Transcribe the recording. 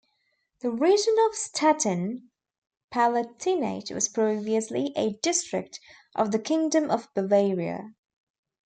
The region of Stetten, Palatinate was previously a district of the Kingdom of Bavaria.